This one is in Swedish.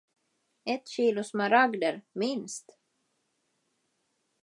Ett kilo smaragder, minst!